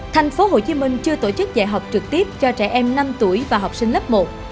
thành phố hồ chí minh chưa tổ chức dạy học trực tiếp cho trẻ em năm tuổi và học sinh lớp một